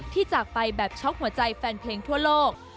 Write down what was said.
จากไปแบบช็อกหัวใจแฟนเพลงทั่วโลก